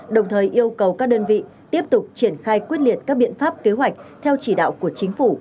đồng thời yêu cầu các đơn vị tiếp tục triển khai quyết liệt các biện pháp kế hoạch theo chỉ đạo của chính phủ